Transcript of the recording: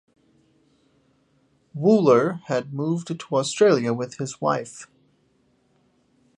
Wooller had moved to Australia with his wife.